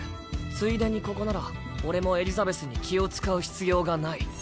ついでにここなら俺もエリザベスに気を遣う必要がない。